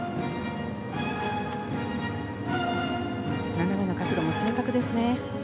斜めの角度も正確ですね。